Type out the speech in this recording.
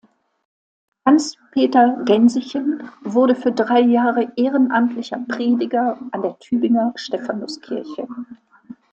Hans-Peter Gensichen wurde für drei Jahre ehrenamtlicher Prediger an der Tübinger Stephanuskirche.